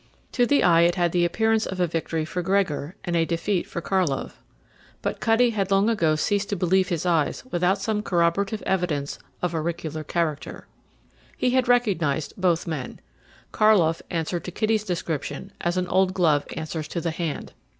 To the eye it had the appearance of a victory for Gregor and a defeat for Karlov, but Cutty had long ago ceased to believe his eyes without some corroborative evidence of auricular character. He had recognized both men. Karlov answered to Kitty's description as an old glove answers to the hand.